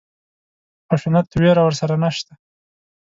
خشونت وېره ورسره نشته.